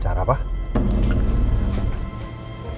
pengetahuan enk escuch dari adil nasib saya